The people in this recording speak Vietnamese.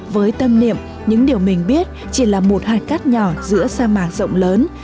với tâm niệm những điều mình biết chỉ là một hạt cát nhỏ giữa sa mạc rộng lớn